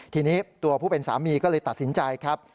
ทีนี้ตัวผู้เป็นสามีก็เลยตัดสินใจครับ